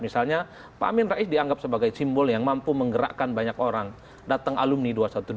misalnya pak amin rais dianggap sebagai simbol yang mampu menggerakkan banyak orang datang alumni dua ratus dua belas